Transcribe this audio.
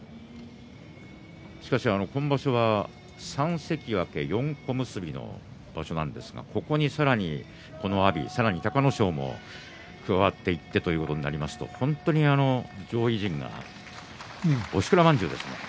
しかし、今場所は３関脇４小結の場所なんですがここにさらにこの阿炎さらに隆の勝も加わっていってということになりますと本当に上位陣がおしくらまんじゅうですね。